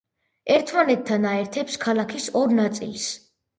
ერთმანეთთან აერთებს ქალაქის ორ ნაწილს.